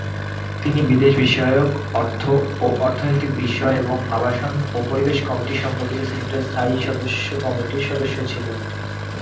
তিনি বিদেশ বিষয়ক, অর্থ ও অর্থনৈতিক বিষয় এবং আবাসন ও পরিবেশ কমিটি সম্পর্কিত সিনেটের স্থায়ী কমিটির সদস্য ছিলেন।